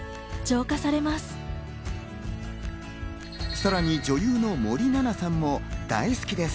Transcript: さらに女優の森七菜さんも大好きです！